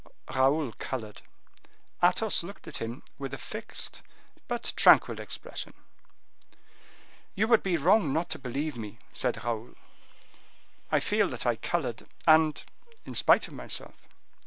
Raoul colored. Athos looked at him with a fixed but tranquil expression. "You would be wrong not to believe me," said Raoul. "I feel that I colored, and in spite of myself.